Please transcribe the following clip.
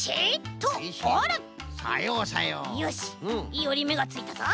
いいおりめがついたぞ。